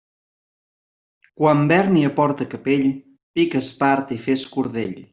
Quan Bèrnia porta capell, pica espart i fes cordell.